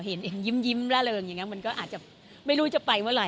เห็นยิ้มละเริงมันก็อาจจะไม่รู้จะไปเมื่อไหร่